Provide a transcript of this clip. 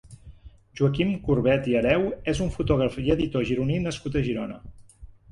Joaquim Curbet i Hereu és un fotògraf i editor gironí nascut a Girona.